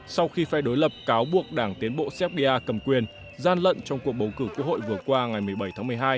sau khi phe đối lập cáo buộc đảng tiến bộ serbia cầm quyền gian lận trong cuộc bầu cử quốc hội vừa qua ngày một mươi bảy tháng một mươi hai